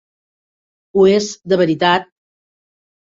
Ho és, de veritat!